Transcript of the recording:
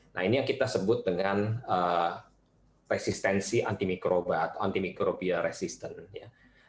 nah ini yang kita sebut dengan resistensi antimikroba atau antimikrobial resistance